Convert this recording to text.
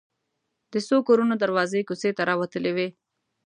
د څو کورونو دروازې کوڅې ته راوتلې وې.